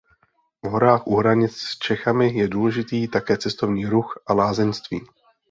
V horách u hranic s Čechami je důležitý také cestovní ruch a lázeňství.